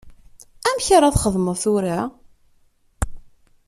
Amek ara txedmem tura?